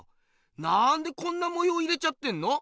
なんでこんな模様入れちゃってんの？